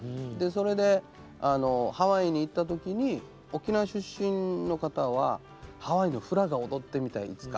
それでハワイに行った時に沖縄出身の方はハワイのフラが踊ってみたい。